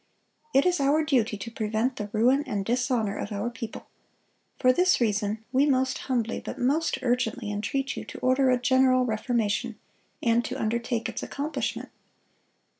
It is our duty to prevent the ruin and dishonor of our people. For this reason we most humbly but most urgently entreat you to order a general reformation, and to undertake its accomplishment."